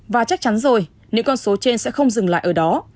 và chắc chắn rồi những con số trên sẽ không dừng lại ở đó